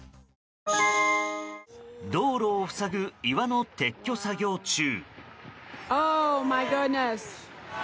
道路を塞ぐ岩の撤去作業中。